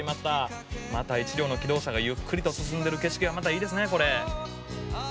「また１両の気動車がゆっくりと進んでる景色がまたいいですねこれ」